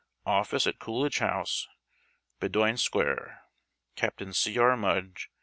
Office at Coolidge House, Bowdoin Square. UAPT. C. R. MUDGE.